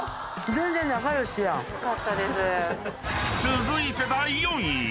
［続いて第４位］